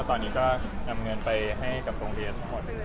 ตอนนี้ก็นำเงินไปให้กับโรงเรียน